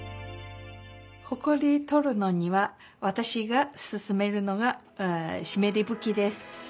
ほこり取るのにはわたしがすすめるのがしめりぶきです。